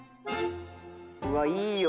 うわっいいよ！